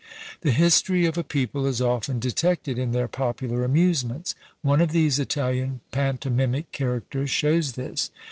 The history of a people is often detected in their popular amusements; one of these Italian pantomimic characters shows this.